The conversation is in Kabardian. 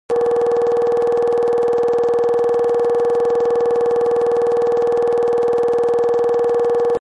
Иджы пасэм ящӀэу щымыта къафэжьхэри къагъуэтыжащ.